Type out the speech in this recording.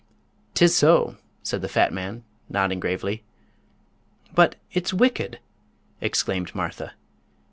"'Tis so," said the fat man, nodding gravely. "But it's wicked!" exclaimed Martha.